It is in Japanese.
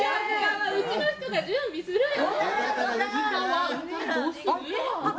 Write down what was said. ・うちの人が準備するよ。